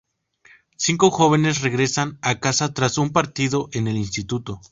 Cinco jóvenes regresan a casa tras un partido en el instituto.